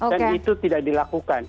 dan itu tidak dilakukan